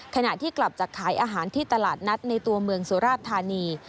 ขณะที่กลับจากขายอาหารที่ตลาดนัดในตัวเมืองสุราชธานี